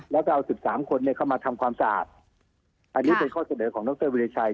แล้วก็เอา๑๓คนเข้ามาทำความสะอาดอันนี้เป็นข้อเสนอของดรวิริชัย